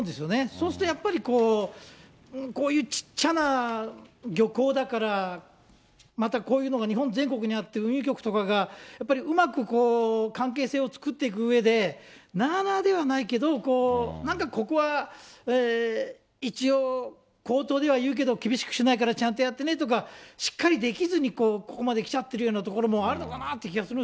そうすると、やっぱりこう、こういうちっちゃな漁港だから、またこういうのが日本全国にあって、運輸局とかがやっぱりうまくこう、関係性を作っていくうえで、なあなあではないけど、なんか、ここは一応、口頭では言うけど、厳しくしないからちゃんとやってねとか、しっかりできずにここまで来ちゃっているようなところもあるのか